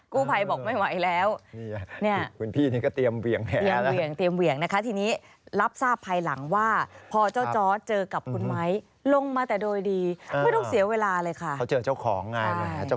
กู้ภัยบอกไม่ไหวแล้ว